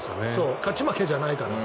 勝ち負けじゃないから。